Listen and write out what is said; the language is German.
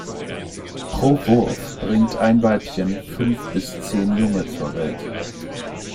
Pro Wurf bringt ein Weibchen fünf bis zehn Junge zur Welt.